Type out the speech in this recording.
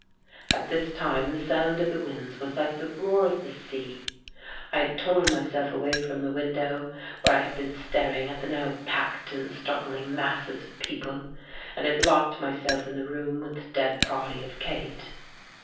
At this time the sound of the winds was like the roar of the sea. I had torn myself away from the window where I had been staring at the now packed and struggling masses of people, and had locked myself in the room with the dead body of Kate.